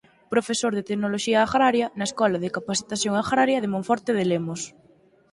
Profesor de Tecnoloxía Agraria na Escola de Capacitación Agraria de Monforte de Lemos.